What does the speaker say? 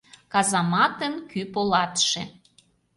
Казаматын кӱ полатше